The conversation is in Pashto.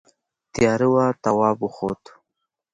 تیاره وه تواب وخوت.